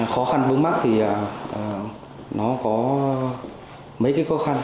khó khăn vướng mắt thì nó có mấy cái khó khăn